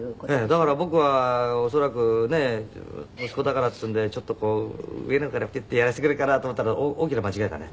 だから僕は恐らくね息子だからっつうんでちょっとこう上の方からピュッてやらせてくれるかなと思ったら大きな間違いだね。